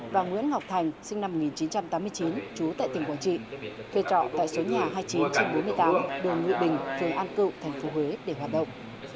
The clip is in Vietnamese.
và nguyễn ngọc thành sinh năm một nghìn chín trăm tám mươi chín trú tại tỉnh quảng trị thuê trọ tại số nhà hai mươi chín trên bốn mươi tám đường nguyễn bình phường an cựu tp huế để hoạt động